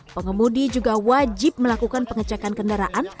pengemudi juga wajib melakukan pengecekan kendaraan